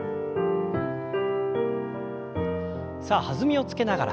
さあ弾みをつけながら。